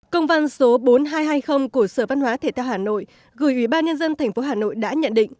công văn số bốn nghìn hai trăm hai mươi của sở văn hóa thể thao hà nội gửi ủy ban nhân dân tp hà nội đã nhận định